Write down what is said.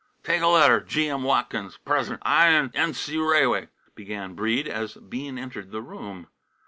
"Take letter G.M. Watkins, Pres'den I 'n' N.C. Rai'way," began Breede as Bean entered the room.